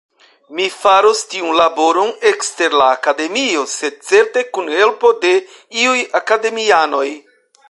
Mi faros tiun laboron ekster la Akademio, sed certe kun helpo de iuj Akademianoj.